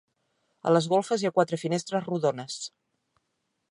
A les golfes hi ha quatre finestres rodones.